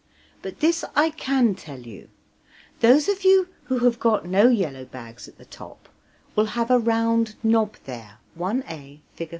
But this I can tell you:those of you who have got no yellow bags at the top will have a round knob there (I a, Fig.